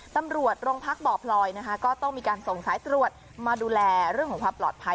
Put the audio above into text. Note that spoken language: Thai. ตำรวจโรงพักบ่อพลอยนะคะก็ต้องมีการส่งสายตรวจมาดูแลเรื่องของความปลอดภัย